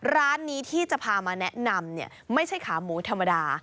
ร้านนี้ที่จะพามาแนะนำเนี่ยไม่ใช่ขาหมูธรรมดา